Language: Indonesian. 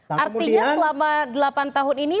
artinya selama delapan tahun ini